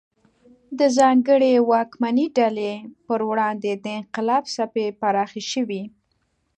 د ځانګړې واکمنې ډلې پر وړاندې د انقلاب څپې پراخې شوې.